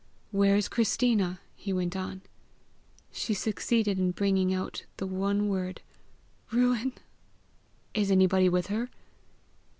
"Where is Christina?" he went on. She succeeded in bringing out the one word "ruin." "Is anybody with her?"